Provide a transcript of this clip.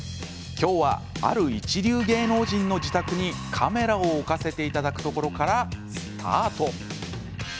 今日はある一流芸能人の自宅にカメラを置かせていただくところからスタート。